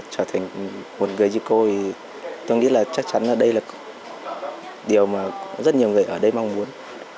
trở thành một người như cô thì tôi nghĩ là chắc chắn là đây là điều mà rất nhiều người ở đây mong muốn